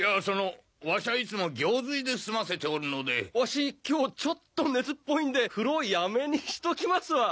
そのわしはいつも行水で済ませておるのでわし今日ちょっと熱っぽいんで風呂やめにしときます